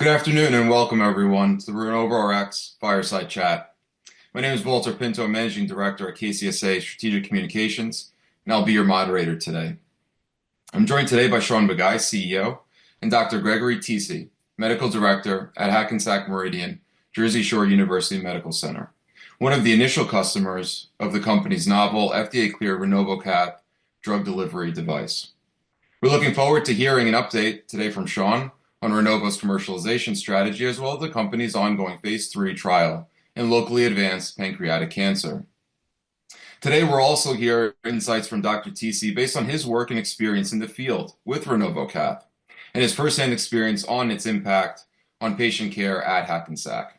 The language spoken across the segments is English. Good afternoon and welcome, everyone, to the RenovoRx Blake McCarthy fireside chat. My name is Valter Pinto, Managing Director at KCSA Strategic Communications, and I'll be your moderator today. I'm joined today by Shaun Bagai, CEO, and Dr. Gregory Tisi, Medical Director at Hackensack Meridian Health, Jersey Shore University Medical Center, one of the initial customers of the company's novel FDA-cleared RenovoCath drug delivery device. We're looking forward to hearing an update today from Shaun on RenovoRx's commercialization strategy, as well as the company's ongoing phase III trial in locally advanced pancreatic cancer. Today, we're also hearing insights from Dr. Tisi based on his work and experience in the field with RenovoCath and his firsthand experience on its impact on patient care at Hackensack.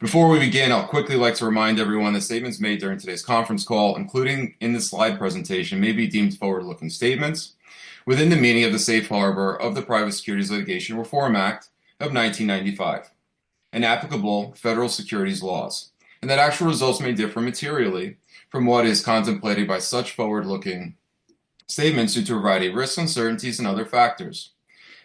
Before we begin, I'd quickly like to remind everyone that statements made during today's conference call, including in this slide presentation, may be deemed forward-looking statements within the meaning of the safe harbor of the Private Securities Litigation Reform Act of 1995 and applicable federal securities laws, and that actual results may differ materially from what is contemplated by such forward-looking statements due to a variety of risks, uncertainties, and other factors.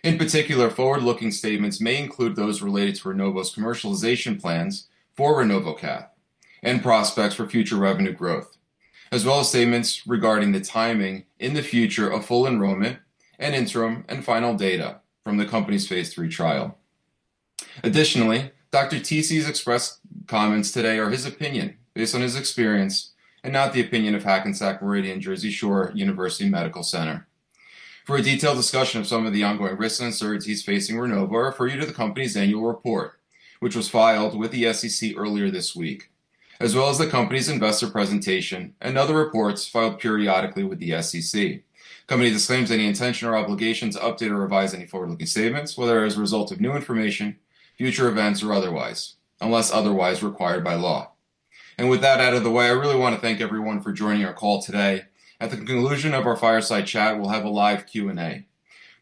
In particular, forward-looking statements may include those related to RenovoRx's commercialization plans for RenovoCath and prospects for future revenue growth, as well as statements regarding the timing in the future of full enrollment and interim and final data from the company's phase III trial. Additionally, Dr. Tisi's expressed comments today are his opinion based on his experience and not the opinion of Hackensack Meridian Health, Jersey Shore University Medical Center. For a detailed discussion of some of the ongoing risks and uncertainties facing RenovoRx, refer you to the company's annual report, which was filed with the SEC earlier this week, as well as the company's investor presentation and other reports filed periodically with the SEC. The company disclaims any intention or obligation to update or revise any forward-looking statements, whether as a result of new information, future events, or otherwise, unless otherwise required by law. With that out of the way, I really want to thank everyone for joining our call today. At the conclusion of our fireside chat, we'll have a live Q&A.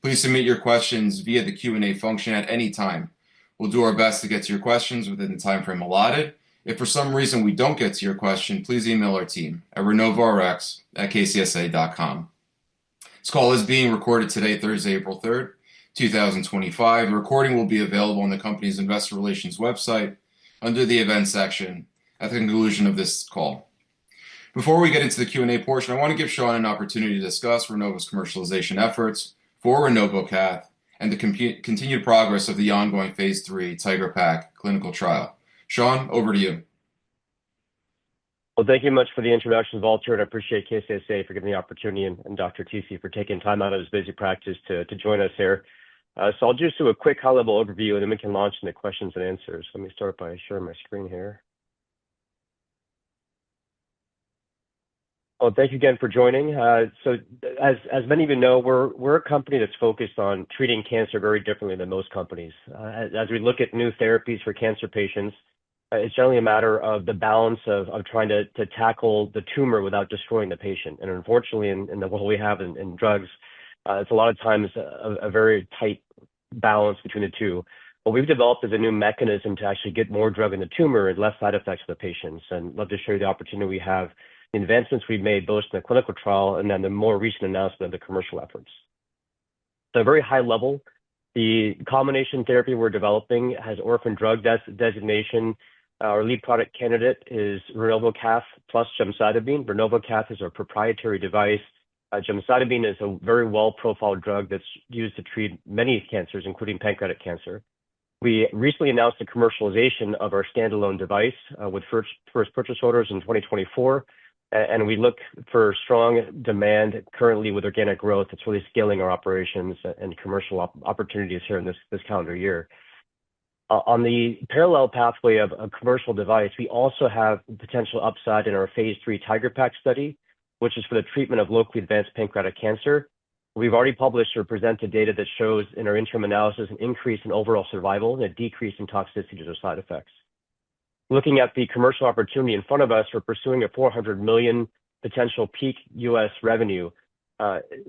Please submit your questions via the Q&A function at any time. We'll do our best to get to your questions within the timeframe allotted. If for some reason we don't get to your question, please email our team at renovoRx@kcsa.com. This call is being recorded today, Thursday, April 3rd, 2025. The recording will be available on the company's investor relations website under the events section at the conclusion of this call. Before we get into the Q&A portion, I want to give Shaun an opportunity to discuss RenovoRx's commercialization efforts for RenovoCath and the continued progress of the ongoing phase III TIGeR-PaC clinical trial. Shaun, over to you. Thank you much for the introduction, Valter. I appreciate KCSA for giving the opportunity and Dr. Tisi for taking time out of his busy practice to join us here. I'll just do a quick high-level overview, and then we can launch into questions and answers. Let me start by sharing my screen here. Thank you again for joining. As many of you know, we're a company that's focused on treating cancer very differently than most companies. As we look at new therapies for cancer patients, it's generally a matter of the balance of trying to tackle the tumor without destroying the patient. Unfortunately, in the world we have in drugs, it's a lot of times a very tight balance between the two. What we've developed is a new mechanism to actually get more drug in the tumor and less side effects for the patients. I'd love to show you the opportunity we have, the advancements we've made, both in the clinical trial and then the more recent announcement of the commercial efforts. At a very high level, the combination therapy we're developing has orphan drug designation. Our lead product candidate is RenovoCath plus gemcitabine. RenovoCath is our proprietary device. Gemcitabine is a very well-profiled drug that's used to treat many cancers, including pancreatic cancer. We recently announced the commercialization of our standalone device with first purchase orders in 2024. We look for strong demand currently with organic growth. It's really scaling our operations and commercial opportunities here in this calendar year. On the parallel pathway of a commercial device, we also have potential upside in our phase III TIGeR-PaC study, which is for the treatment of locally advanced pancreatic cancer. We've already published or presented data that shows, in our interim analysis, an increase in overall survival and a decrease in toxicities or side effects. Looking at the commercial opportunity in front of us, we're pursuing a $400 million potential peak U.S. revenue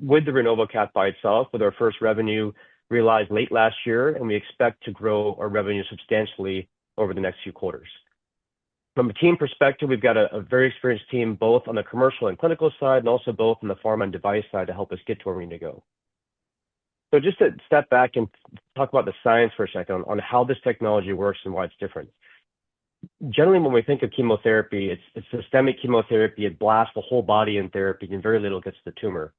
with the RenovoCath by itself, with our first revenue realized late last year, and we expect to grow our revenue substantially over the next few quarters. From a team perspective, we've got a very experienced team, both on the commercial and clinical side, and also both on the pharma and device side to help us get to where we need to go. Just to step back and talk about the science for a second on how this technology works and why it's different. Generally, when we think of chemotherapy, it's systemic chemotherapy. It blasts the whole body in therapy, and very little gets to the tumor.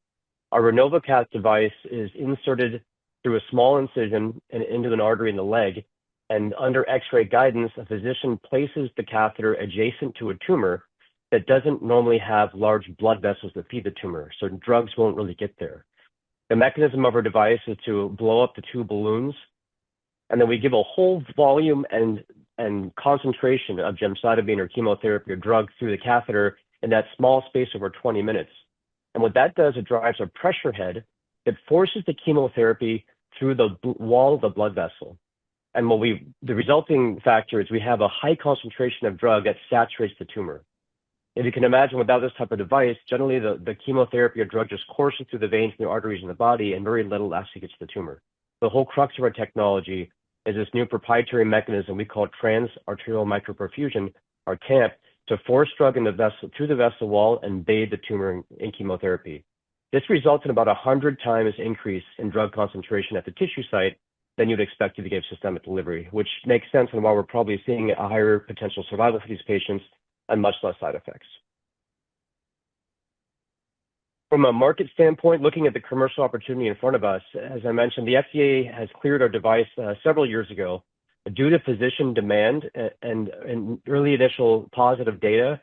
Our RenovoCath device is inserted through a small incision and into an artery in the leg. Under X-ray guidance, a physician places the catheter adjacent to a tumor that does not normally have large blood vessels that feed the tumor, so drugs will not really get there. The mechanism of our device is to blow up the two balloons, and then we give a whole volume and concentration of gemcitabine or chemotherapy or drug through the catheter in that small space over 20 minutes. What that does is it drives a pressure head that forces the chemotherapy through the wall of the blood vessel. The resulting factor is we have a high concentration of drug that saturates the tumor. As you can imagine, without this type of device, generally, the chemotherapy or drug just courses through the veins and the arteries in the body, and very little actually gets to the tumor. The whole crux of our technology is this new proprietary mechanism we call Trans-Arterial Micro-Perfusion, or TAMP, to force drug in the vessel through the vessel wall and bathe the tumor in chemotherapy. This results in about 100 times increase in drug concentration at the tissue site than you'd expect if you gave systemic delivery, which makes sense and why we're probably seeing a higher potential survival for these patients and much less side effects. From a market standpoint, looking at the commercial opportunity in front of us, as I mentioned, the FDA has cleared our device several years ago. Due to physician demand and early initial positive data,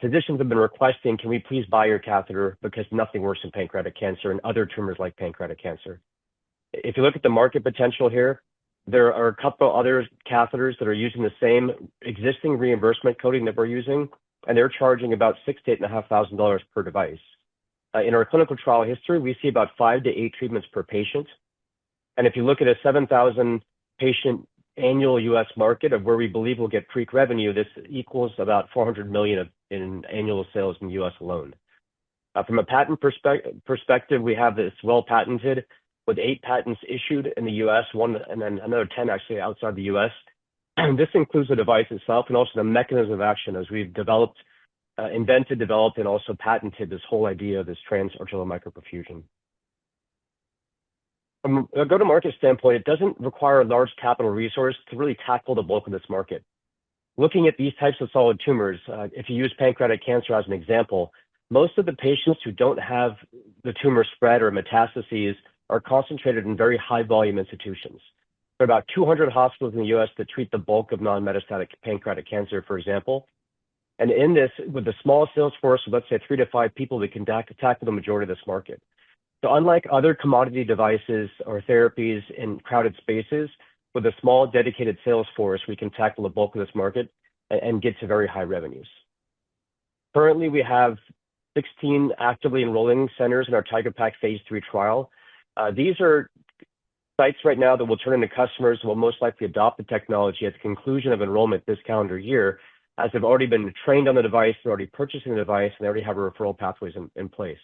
physicians have been requesting, "Can we please buy your catheter?" because nothing works in pancreatic cancer and other tumors like pancreatic cancer. If you look at the market potential here, there are a couple of other catheters that are using the same existing reimbursement coding that we're using, and they're charging about $6,000-$8,500 per device. In our clinical trial history, we see about five to eight treatments per patient. If you look at a 7,000-patient annual U.S. market of where we believe we'll get peak revenue, this equals about $400 million in annual sales in the U.S. alone. From a patent perspective, we have this well-patented with eight patents issued in the U.S., one and then another 10 actually outside the U.S. This includes the device itself and also the mechanism of action as we've developed, invented, developed, and also patented this whole idea of this Trans-Arterial Micro-Perfusion. From a go-to-market standpoint, it doesn't require a large capital resource to really tackle the bulk of this market. Looking at these types of solid tumors, if you use pancreatic cancer as an example, most of the patients who don't have the tumor spread or metastases are concentrated in very high-volume institutions. There are about 200 hospitals in the U.S. that treat the bulk of non-metastatic pancreatic cancer, for example. In this, with a small sales force of, let's say, three to five people, we can tackle the majority of this market. Unlike other commodity devices or therapies in crowded spaces, with a small dedicated sales force, we can tackle the bulk of this market and get to very high revenues. Currently, we have 16 actively enrolling centers in our TIGeR-PaC phase III trial. These are sites right now that will turn into customers who will most likely adopt the technology at the conclusion of enrollment this calendar year, as they've already been trained on the device, they've already purchased the device, and they already have referral pathways in place.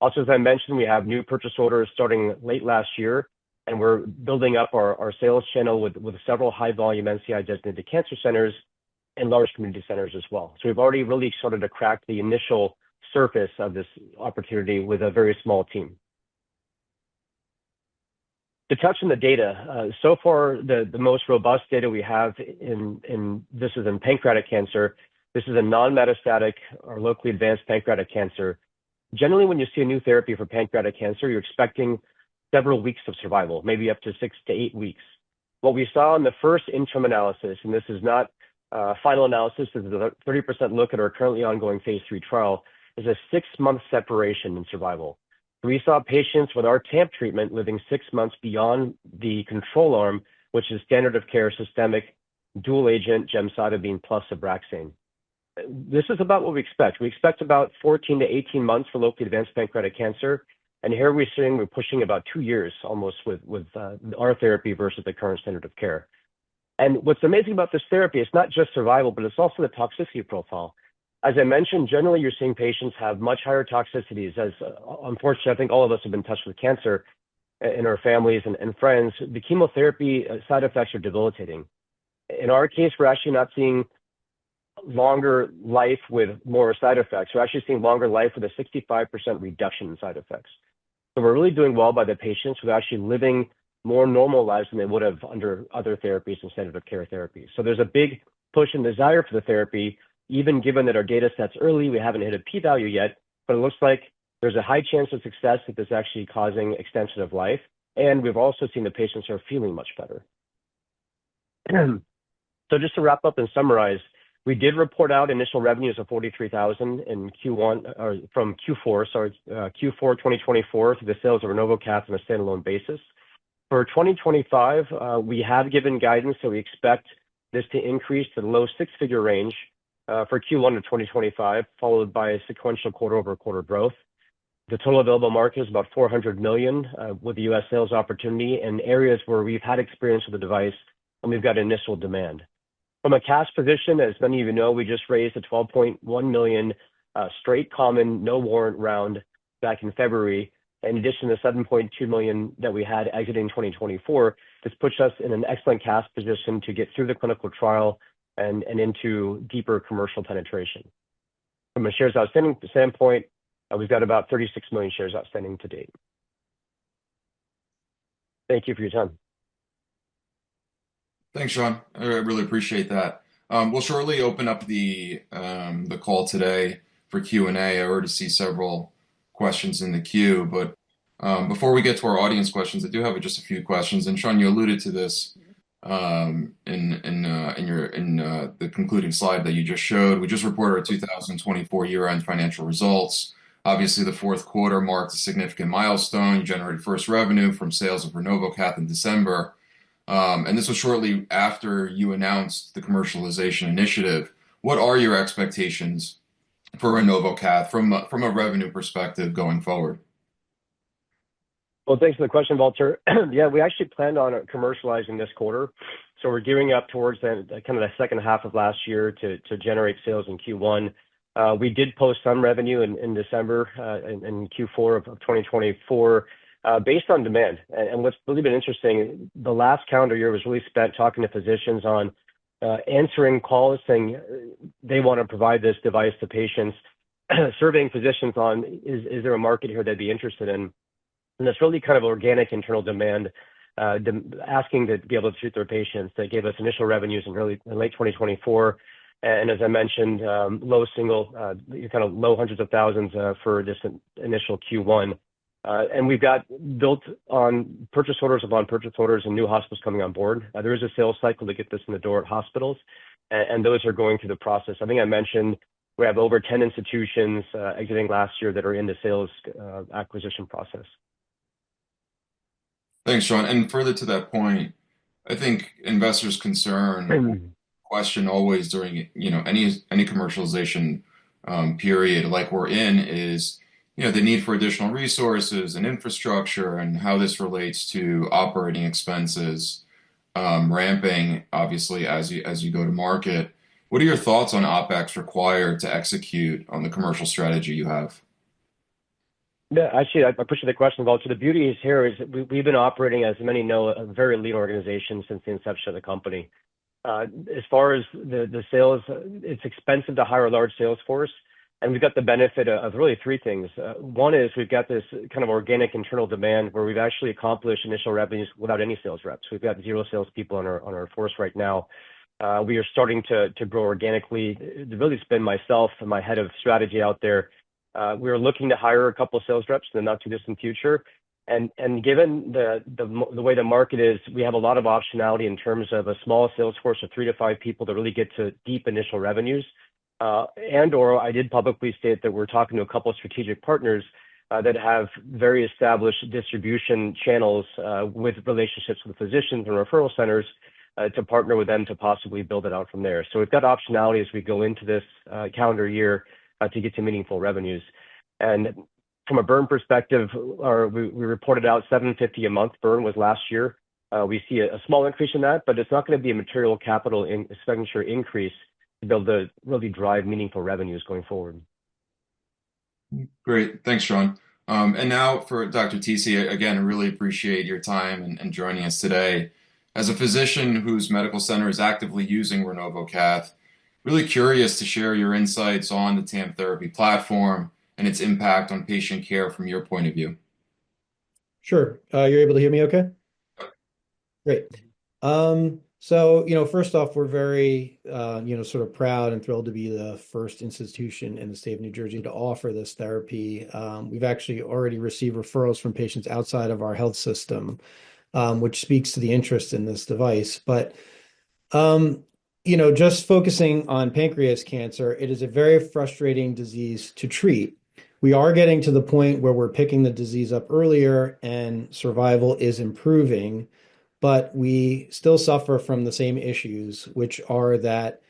Also, as I mentioned, we have new purchase orders starting late last year, and we're building up our sales channel with several high-volume NCI-designated cancer centers and large community centers as well. We've already really started to crack the initial surface of this opportunity with a very small team. To touch on the data, so far, the most robust data we have in this is in pancreatic cancer. This is a non-metastatic or locally advanced pancreatic cancer. Generally, when you see a new therapy for pancreatic cancer, you're expecting several weeks of survival, maybe up to six to eight weeks. What we saw in the first interim analysis, and this is not final analysis, this is a 30% look at our currently ongoing phase III trial, is a six-month separation in survival. We saw patients with our TAMP treatment living six months beyond the control arm, which is standard of care systemic dual-agent gemcitabine plus Abraxane. This is about what we expect. We expect about 14-18 months for locally advanced pancreatic cancer. Here we're seeing we're pushing about two years almost with our therapy versus the current standard of care. What's amazing about this therapy, it's not just survival, but it's also the toxicity profile. As I mentioned, generally, you're seeing patients have much higher toxicities. Unfortunately, I think all of us have been touched with cancer in our families and friends. The chemotherapy side effects are debilitating. In our case, we're actually not seeing longer life with more side effects. We're actually seeing longer life with a 65% reduction in side effects. We're really doing well by the patients. We're actually living more normal lives than they would have under other therapies and standard of care therapies. There is a big push and desire for the therapy, even given that our data set is early, we haven't hit a P-value yet, but it looks like there's a high chance of success that this is actually causing extension of life. We've also seen the patients are feeling much better. Just to wrap up and summarize, we did report out initial revenues of $43,000 from Q4 2024 through the sales of RenovoCath on a standalone basis. For 2025, we have given guidance that we expect this to increase to the low six-figure range for Q1 of 2025, followed by a sequential quarter-over-quarter growth. The total available market is about $400 million with the U.S. sales opportunity in areas where we've had experience with the device and we've got initial demand. From a cash position, as many of you know, we just raised a $12.1 million straight common no-warrant round back in February. In addition to the $7.2 million that we had exiting 2024, this puts us in an excellent cash position to get through the clinical trial and into deeper commercial penetration. From a shares outstanding standpoint, we've got about 36 million shares outstanding to date. Thank you for your time. Thanks, Shaun. I really appreciate that. We'll shortly open up the call today for Q&A. I already see several questions in the queue. Before we get to our audience questions, I do have just a few questions. Shaun, you alluded to this in the concluding slide that you just showed. We just reported our 2024 year-end financial results. Obviously, the fourth quarter marked a significant milestone. You generated first revenue from sales of RenovoCath in December. This was shortly after you announced the commercialization initiative. What are your expectations for RenovoCath from a revenue perspective going forward? Thanks for the question, Valter. Yeah, we actually planned on commercializing this quarter. We're gearing up towards kind of the second half of last year to generate sales in Q1. We did post some revenue in December in Q4 of 2024 based on demand. What's really been interesting, the last calendar year was really spent talking to physicians on answering calls saying they want to provide this device to patients, surveying physicians on, "Is there a market here they'd be interested in?" It's really kind of organic internal demand asking to be able to treat their patients that gave us initial revenues in late 2024. As I mentioned, low single, kind of low hundreds of thousands for this initial Q1. We've got built on purchase orders of on-purchase orders and new hospitals coming on board. There is a sales cycle to get this in the door at hospitals, and those are going through the process. I think I mentioned we have over 10 institutions exiting last year that are in the sales acquisition process. Thanks, Shaun. Further to that point, I think investors' concern, question always during any commercialization period like we're in is the need for additional resources and infrastructure and how this relates to operating expenses, ramping, obviously, as you go to market. What are your thoughts on OpEx required to execute on the commercial strategy you have? Yeah, actually, I appreciate the question, Valter. The beauty here is we've been operating, as many know, a very lean organization since the inception of the company. As far as the sales, it's expensive to hire a large sales force. We've got the benefit of really three things. One is we've got this kind of organic internal demand where we've actually accomplished initial revenues without any sales reps. We've got zero salespeople on our force right now. We are starting to grow organically. The ability to spend myself and my head of strategy out there, we are looking to hire a couple of sales reps in the not-too-distant future. Given the way the market is, we have a lot of optionality in terms of a small sales force of three to five people that really get to deep initial revenues. I did publicly state that we're talking to a couple of strategic partners that have very established distribution channels with relationships with physicians and referral centers to partner with them to possibly build it out from there. We have got optionality as we go into this calendar year to get to meaningful revenues. From a burn perspective, we reported out $750,000 a month burn last year. We see a small increase in that, but it is not going to be a material capital expenditure increase to be able to really drive meaningful revenues going forward. Great. Thanks, Shaun. Now for Dr. Tisi, again, I really appreciate your time and joining us today. As a physician whose medical center is actively using RenovoCath, really curious to share your insights on the TAMP therapy platform and its impact on patient care from your point of view. Sure. You're able to hear me okay? Great. First off, we're very sort of proud and thrilled to be the first institution in the state of New Jersey to offer this therapy. We've actually already received referrals from patients outside of our health system, which speaks to the interest in this device. Just focusing on pancreas cancer, it is a very frustrating disease to treat. We are getting to the point where we're picking the disease up earlier and survival is improving, but we still suffer from the same issues, which are that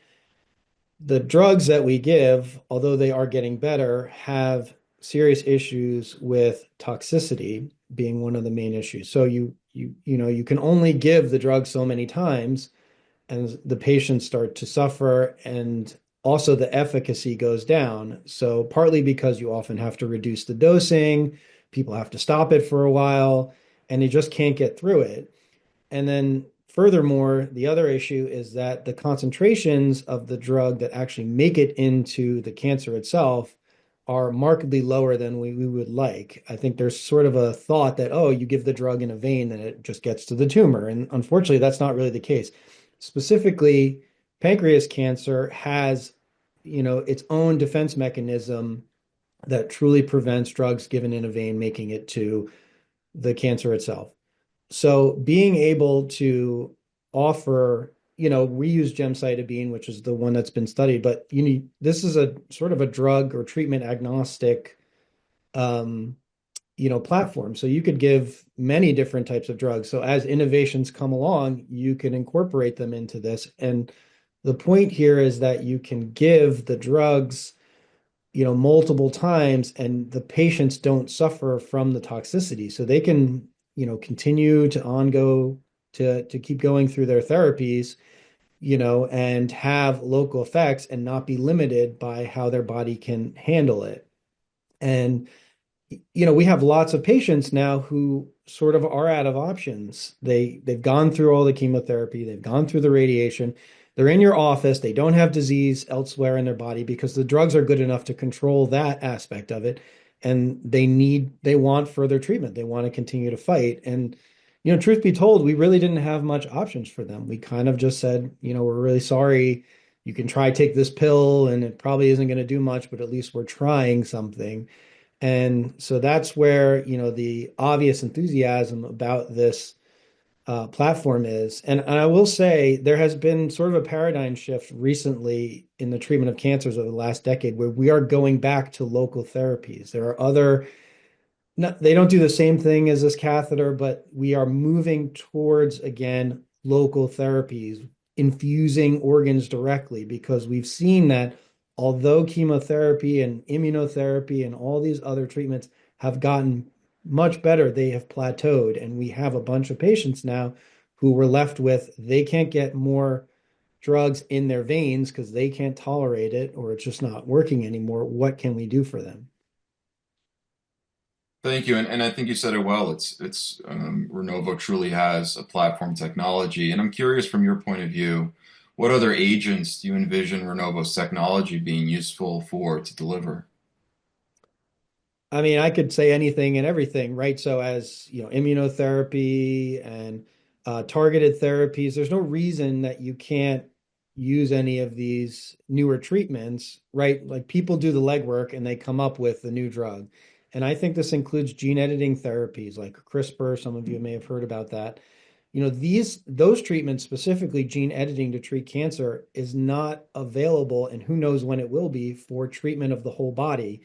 the drugs that we give, although they are getting better, have serious issues with toxicity being one of the main issues. You can only give the drug so many times, and the patients start to suffer, and also the efficacy goes down. Partly because you often have to reduce the dosing, people have to stop it for a while, and they just can't get through it. Furthermore, the other issue is that the concentrations of the drug that actually make it into the cancer itself are markedly lower than we would like. I think there's sort of a thought that, "Oh, you give the drug in a vein, then it just gets to the tumor." Unfortunately, that's not really the case. Specifically, pancreas cancer has its own defense mechanism that truly prevents drugs given in a vein making it to the cancer itself. Being able to offer infused gemcitabine, which is the one that's been studied, but this is a sort of a drug or treatment agnostic platform. You could give many different types of drugs. As innovations come along, you can incorporate them into this. The point here is that you can give the drugs multiple times, and the patients do not suffer from the toxicity. They can continue to go through their therapies and have local effects and not be limited by how their body can handle it. We have lots of patients now who sort of are out of options. They have gone through all the chemotherapy. They have gone through the radiation. They are in your office. They do not have disease elsewhere in their body because the drugs are good enough to control that aspect of it. They want further treatment. They want to continue to fight. Truth be told, we really did not have many options for them. We kind of just said, "We are really sorry. You can try to take this pill, and it probably isn't going to do much, but at least we're trying something. That is where the obvious enthusiasm about this platform is. I will say there has been sort of a paradigm shift recently in the treatment of cancers over the last decade where we are going back to local therapies. They don't do the same thing as this catheter, but we are moving towards, again, local therapies, infusing organs directly because we've seen that although chemotherapy and immunotherapy and all these other treatments have gotten much better, they have plateaued. We have a bunch of patients now who we're left with. They can't get more drugs in their veins because they can't tolerate it, or it's just not working anymore. What can we do for them? Thank you. I think you said it well. Renovo truly has a platform technology. I'm curious from your point of view, what other agents do you envision Renovo's technology being useful for to deliver? I mean, I could say anything and everything, right? As immunotherapy and targeted therapies, there's no reason that you can't use any of these newer treatments, right? People do the legwork, and they come up with the new drug. I think this includes gene-editing therapies like CRISPR. Some of you may have heard about that. Those treatments, specifically gene-editing to treat cancer, is not available, and who knows when it will be for treatment of the whole body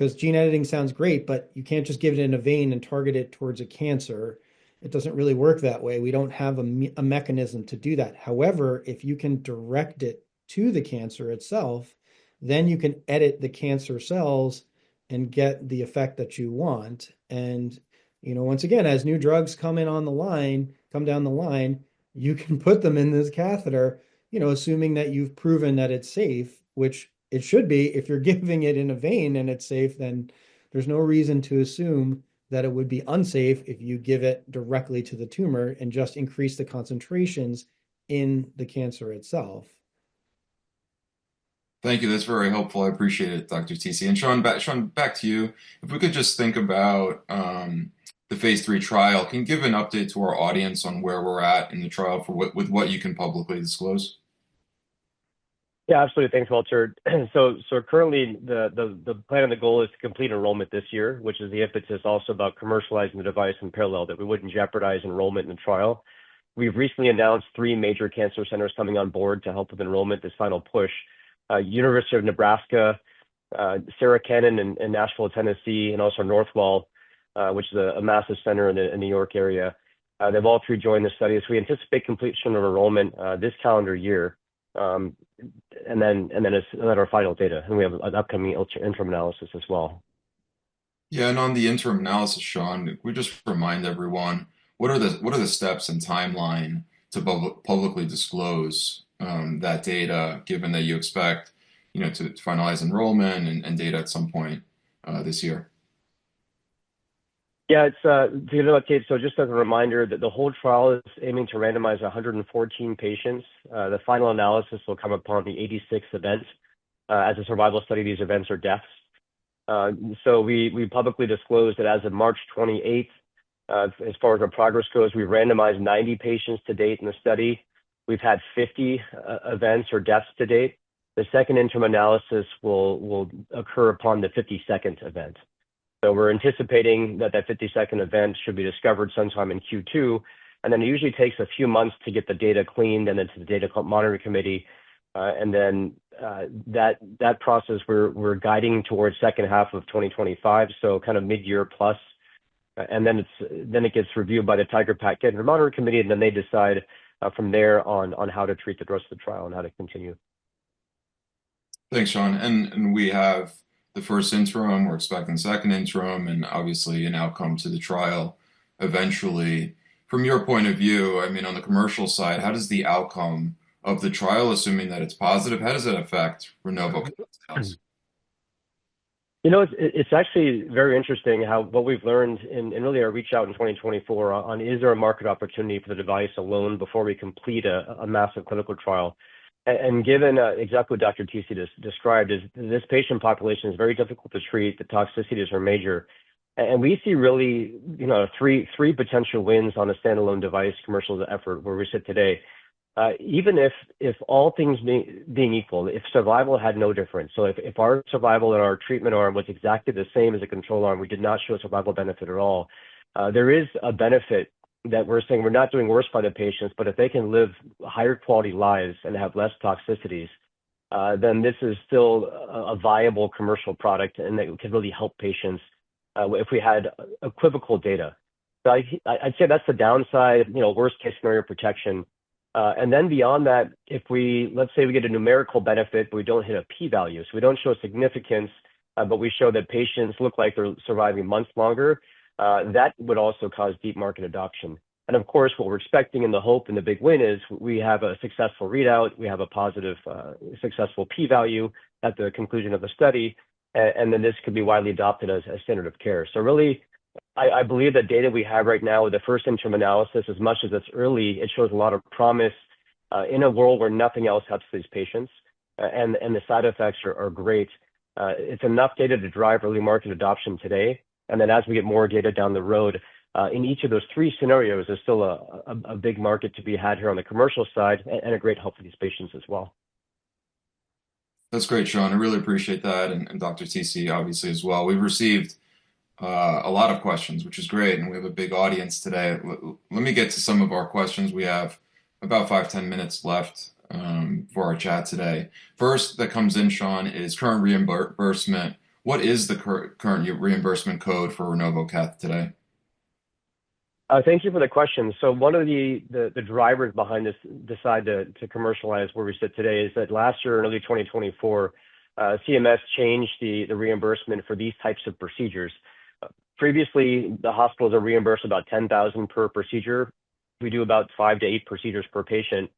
because gene-editing sounds great, but you can't just give it in a vein and target it towards a cancer. It doesn't really work that way. We don't have a mechanism to do that. However, if you can direct it to the cancer itself, then you can edit the cancer cells and get the effect that you want. Once again, as new drugs come down the line, you can put them in this catheter, assuming that you've proven that it's safe, which it should be. If you're giving it in a vein and it's safe, then there's no reason to assume that it would be unsafe if you give it directly to the tumor and just increase the concentrations in the cancer itself. Thank you. That's very helpful. I appreciate it, Dr. Tisi. Shaun, back to you. If we could just think about the phase three trial, can you give an update to our audience on where we're at in the trial with what you can publicly disclose? Yeah, absolutely. Thanks, Valter. Currently, the plan and the goal is to complete enrollment this year, which is the impetus also about commercializing the device in parallel that we wouldn't jeopardize enrollment in the trial. We've recently announced three major cancer centers coming on board to help with enrollment, this final push. University of Nebraska, Sarah Cannon in Nashville, Tennessee, and also Northwell, which is a massive center in the New York area. They have all three joined the study. We anticipate completion of enrollment this calendar year. Then our final data. We have an upcoming interim analysis as well. Yeah. On the interim analysis, Shaun, can you just remind everyone, what are the steps and timeline to publicly disclose that data, given that you expect to finalize enrollment and data at some point this year? Yeah. So just as a reminder that the whole trial is aiming to randomize 114 patients. The final analysis will come upon the 86th event. As a survival study, these events are deaths. We publicly disclosed that as of March 28th, as far as our progress goes, we randomized 90 patients to date in the study. We've had 50 events or deaths to date. The second interim analysis will occur upon the 52nd event. We're anticipating that that 52nd event should be discovered sometime in Q2. It usually takes a few months to get the data cleaned, and then to the data monitoring committee. That process, we're guiding towards second half of 2025, so kind of mid-year plus. Then it gets reviewed by the TIGeR-PaC Monitoring Committee, and then they decide from there on how to treat the rest of the trial and how to continue. Thanks, Shaun. We have the first interim. We're expecting the second interim and obviously an outcome to the trial eventually. From your point of view, I mean, on the commercial side, how does the outcome of the trial, assuming that it's positive, how does that affect RenovoRx's health? It's actually very interesting how what we've learned and really our reach out in 2024 on is there a market opportunity for the device alone before we complete a massive clinical trial. Given exactly what Dr. Tisi described, this patient population is very difficult to treat. The toxicity is major. We see really three potential wins on a standalone device commercial effort where we sit today. Even if all things being equal, if survival had no difference, so if our survival and our treatment arm was exactly the same as a control arm, we did not show survival benefit at all, there is a benefit that we're saying we're not doing worse by the patients, but if they can live higher quality lives and have less toxicities, then this is still a viable commercial product and that can really help patients if we had equivocal data. I'd say that's the downside, worst-case scenario protection. Beyond that, if we, let's say, we get a numerical benefit, but we don't hit a P-value, so we don't show significance, but we show that patients look like they're surviving months longer, that would also cause deep market adoption. Of course, what we're expecting and the hope and the big win is we have a successful readout, we have a positive, successful P-value at the conclusion of the study, and then this could be widely adopted as a standard of care. I believe the data we have right now with the first interim analysis, as much as it's early, it shows a lot of promise in a world where nothing else helps these patients. The side effects are great. It's enough data to drive early market adoption today. As we get more data down the road, in each of those three scenarios, there's still a big market to be had here on the commercial side and a great help for these patients as well. That's great, Shaun. I really appreciate that. And Dr. Tisi, obviously, as well. We've received a lot of questions, which is great. We have a big audience today. Let me get to some of our questions. We have about five, ten minutes left for our chat today. First that comes in, Shaun, is current reimbursement. What is the current reimbursement code for RenovoCath today? Thank you for the question. One of the drivers behind this decision to commercialize where we sit today is that last year, early 2024, CMS changed the reimbursement for these types of procedures. Previously, the hospitals are reimbursed about $10,000 per procedure. We do about five to eight procedures per patient.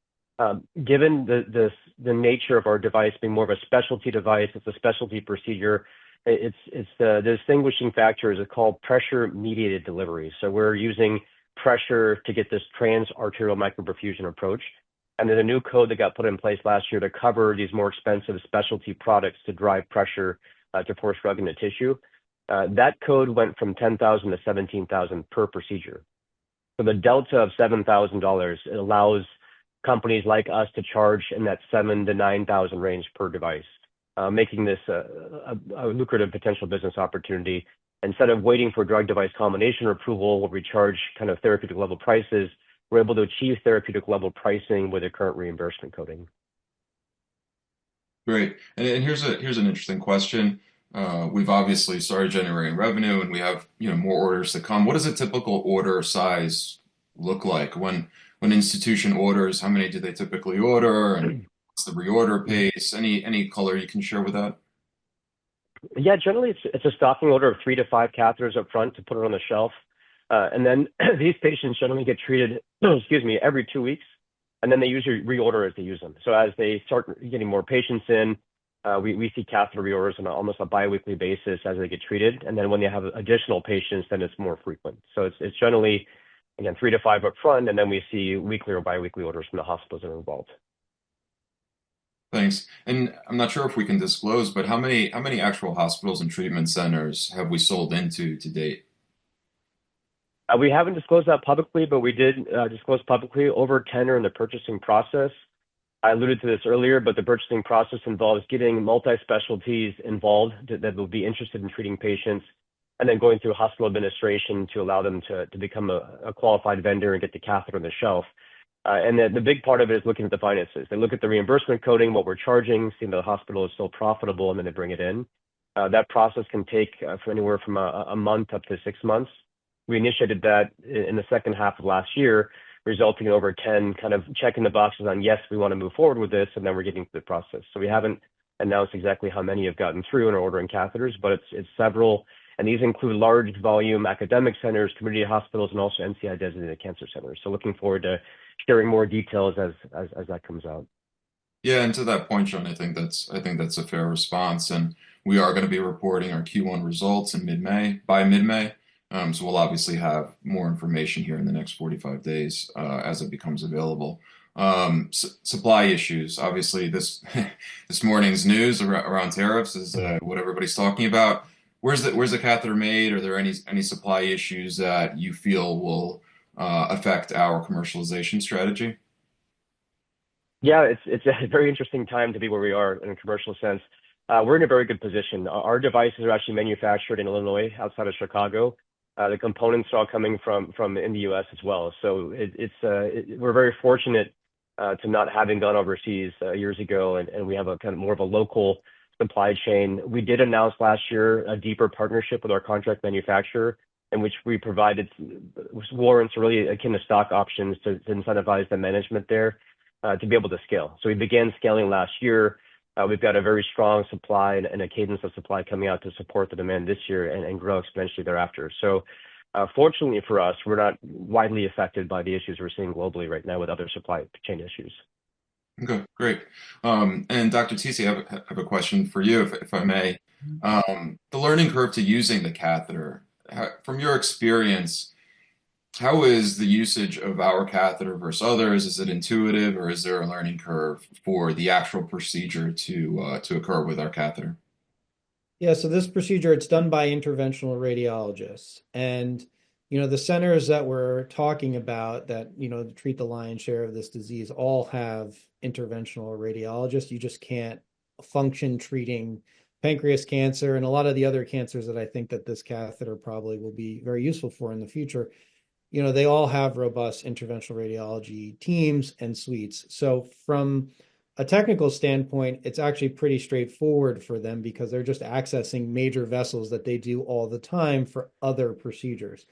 Given the nature of our device being more of a specialty device, it's a specialty procedure. The distinguishing factor is called pressure-mediated delivery. We're using pressure to get this Trans-Arterial Micro-Perfusion approach. A new code got put in place last year to cover these more expensive specialty products to drive pressure to force drug into tissue. That code went from $10,000 to $17,000 per procedure. The delta of $7,000 allows companies like us to charge in that $7,000-$9,000 range per device, making this a lucrative potential business opportunity. Instead of waiting for drug-device combination approval, we'll recharge kind of therapeutic level prices. We're able to achieve therapeutic level pricing with a current reimbursement coding. Great. Here's an interesting question. We've obviously started generating revenue, and we have more orders to come. What does a typical order size look like? When an institution orders, how many do they typically order? What's the reorder pace? Any color you can share with that? Yeah. Generally, it's a stocking order of three to five catheters upfront to put it on the shelf. These patients generally get treated, excuse me, every two weeks. They usually reorder as they use them. As they start getting more patients in, we see catheter reorders on almost a biweekly basis as they get treated. When they have additional patients, it is more frequent. It is generally, again, three to five upfront, and we see weekly or biweekly orders from the hospitals that are involved. Thanks. I'm not sure if we can disclose, but how many actual hospitals and treatment centers have we sold into to date? We haven't disclosed that publicly, but we did disclose publicly over 10 are in the purchasing process. I alluded to this earlier, but the purchasing process involves getting multi-specialties involved that will be interested in treating patients and then going through hospital administration to allow them to become a qualified vendor and get the catheter on the shelf. A big part of it is looking at the finances. They look at the reimbursement coding, what we're charging, seeing that the hospital is still profitable, and then they bring it in. That process can take anywhere from a month up to six months. We initiated that in the second half of last year, resulting in over 10 kind of checking the boxes on, "Yes, we want to move forward with this," and then we're getting to the process. We haven't announced exactly how many have gotten through in ordering catheters, but it's several. These include large volume academic centers, community hospitals, and also NCI designated cancer centers. Looking forward to sharing more details as that comes out. Yeah. To that point, Shaun, I think that's a fair response. We are going to be reporting our Q1 results by mid-May. We'll obviously have more information here in the next 45 days as it becomes available. Supply issues. Obviously, this morning's news around tariffs is what everybody's talking about. Where's the catheter made? Are there any supply issues that you feel will affect our commercialization strategy? Yeah. It's a very interesting time to be where we are in a commercial sense. We're in a very good position. Our devices are actually manufactured in Illinois, outside of Chicago. The components are all coming from in the US as well. We're very fortunate to not have gone overseas years ago, and we have kind of more of a local supply chain. We did announce last year a deeper partnership with our contract manufacturer, in which we provided warrants really akin to stock options to incentivize the management there to be able to scale. We began scaling last year. We've got a very strong supply and a cadence of supply coming out to support the demand this year and grow exponentially thereafter. Fortunately for us, we're not widely affected by the issues we're seeing globally right now with other supply chain issues. Okay. Great. Dr. Tisi, I have a question for you, if I may. The learning curve to using the catheter, from your experience, how is the usage of our catheter versus others? Is it intuitive, or is there a learning curve for the actual procedure to occur with our catheter? Yeah. This procedure, it's done by interventional radiologists. The centers that we're talking about that treat the lion's share of this disease all have interventional radiologists. You just can't function treating pancreas cancer and a lot of the other cancers that I think that this catheter probably will be very useful for in the future. They all have robust interventional radiology teams and suites. From a technical standpoint, it's actually pretty straightforward for them because they're just accessing major vessels that they do all the time for other procedures.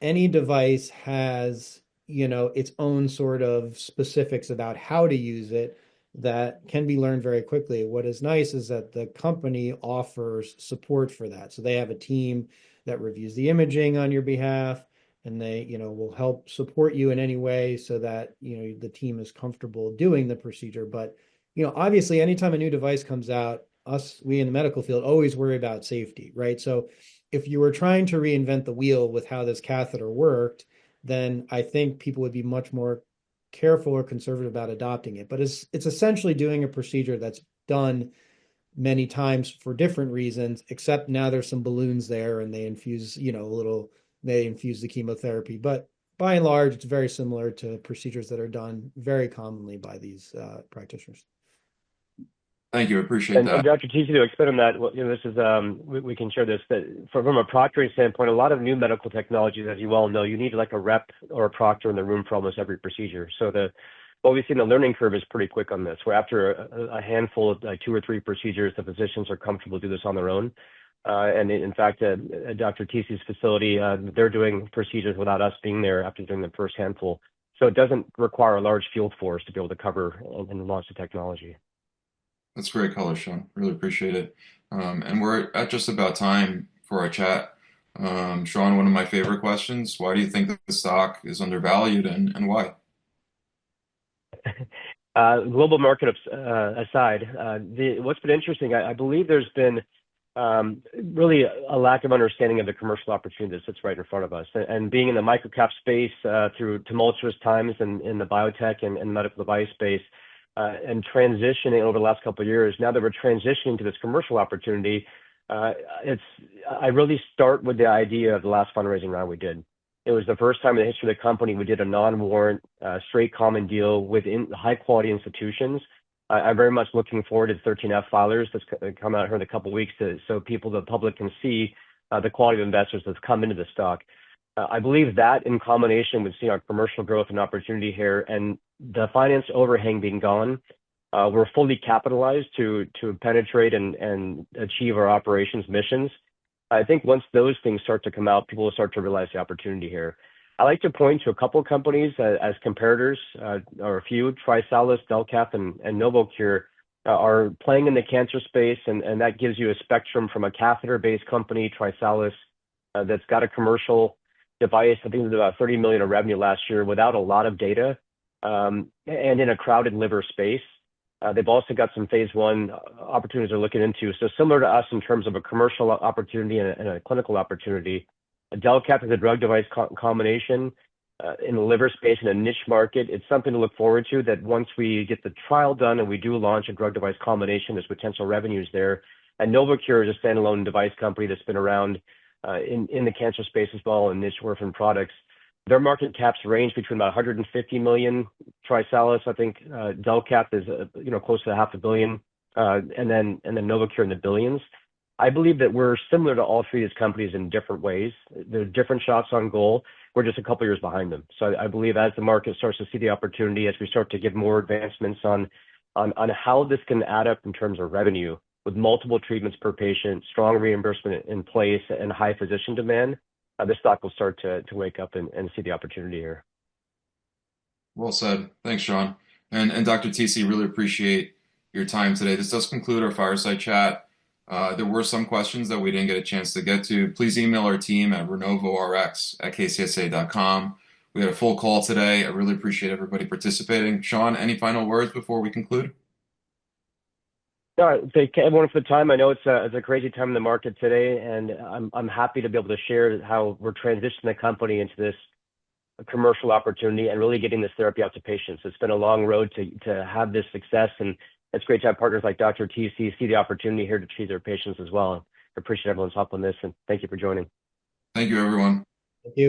Any device has its own sort of specifics about how to use it that can be learned very quickly. What is nice is that the company offers support for that. They have a team that reviews the imaging on your behalf, and they will help support you in any way so that the team is comfortable doing the procedure. Obviously, anytime a new device comes out, we in the medical field always worry about safety, right? If you were trying to reinvent the wheel with how this catheter worked, then I think people would be much more careful or conservative about adopting it. It is essentially doing a procedure that is done many times for different reasons, except now there are some balloons there, and they infuse a little, they infuse the chemotherapy. By and large, it is very similar to procedures that are done very commonly by these practitioners. Thank you. I appreciate that. Dr. Tisi, to expand on that, we can share this. From a proctoring standpoint, a lot of new medical technologies, as you well know, you need a rep or a proctor in the room for almost every procedure. Obviously, the learning curve is pretty quick on this, where after a handful of two or three procedures, the physicians are comfortable to do this on their own. In fact, at Dr. Tisi's facility, they're doing procedures without us being there after doing the first handful. It doesn't require a large field force to be able to cover and launch the technology. That's great color, Shaun. Really appreciate it. We're at just about time for our chat. Shaun, one of my favorite questions, why do you think the stock is undervalued and why? Global market aside, what's been interesting, I believe there's been really a lack of understanding of the commercial opportunity that sits right in front of us. Being in the microcap space through tumultuous times in the biotech and medical device space and transitioning over the last couple of years, now that we're transitioning to this commercial opportunity, I really start with the idea of the last fundraising round we did. It was the first time in the history of the company we did a non-warrant, straight common deal with high-quality institutions. I'm very much looking forward to the 13F filers that come out here in a couple of weeks so people, the public, can see the quality of investors that's come into the stock. I believe that in combination with seeing our commercial growth and opportunity here and the finance overhang being gone, we're fully capitalized to penetrate and achieve our operations missions. I think once those things start to come out, people will start to realize the opportunity here. I like to point to a couple of companies as comparators, or a few, TriSalus, Delcath, and Novocure are playing in the cancer space, and that gives you a spectrum from a catheter-based company, TriSalus, that's got a commercial device. I think it was about $30 million in revenue last year without a lot of data and in a crowded liver space. They've also got some phase one opportunities they're looking into. Similar to us in terms of a commercial opportunity and a clinical opportunity, Delcath is a drug-device combination in the liver space in a niche market. It's something to look forward to that once we get the trial done and we do launch a drug-device combination, there's potential revenues there. Novocure is a standalone device company that's been around in the cancer space as well and niche worth in products. Their market caps range between about $150 million. TriSalus, I think Delcath is close to $500 million. Novocure in the billions. I believe that we're similar to all three of these companies in different ways. They're different shots on goal. We're just a couple of years behind them. I believe as the market starts to see the opportunity, as we start to get more advancements on how this can add up in terms of revenue with multiple treatments per patient, strong reimbursement in place, and high physician demand, the stock will start to wake up and see the opportunity here. Thanks, Shaun. Dr. Tisi, really appreciate your time today. This does conclude our fireside chat. There were some questions that we did not get a chance to get to. Please email our team at renovoRx@kcsa.com. We had a full call today. I really appreciate everybody participating. Shaun, any final words before we conclude? Yeah. Thank you everyone for the time. I know it's a crazy time in the market today, and I'm happy to be able to share how we're transitioning the company into this commercial opportunity and really getting this therapy out to patients. It's been a long road to have this success, and it's great to have partners like Dr. Tisi see the opportunity here to treat their patients as well. I appreciate everyone's help on this, and thank you for joining. Thank you, everyone. Thank you.